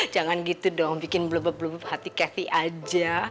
jangan gitu dong bikin blub blub hati cathy aja